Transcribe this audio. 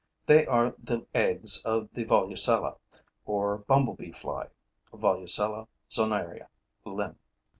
They are the eggs of the Volucella, or bumblebee fly (Volucella zonaria, LIN.)